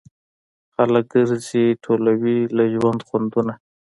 خلک ګرځي ټولوي له ژوند خوندونه